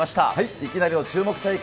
いきなりの注目対決。